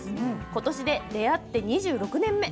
ことしで出会って２６年目。